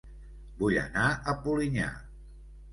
Vull anar a Polinyà